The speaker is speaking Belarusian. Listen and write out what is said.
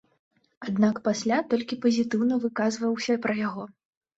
Аднак пасля толькі пазітыўна выказваўся пра яго.